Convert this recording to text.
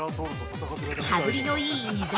◆羽振りのいい伊沢。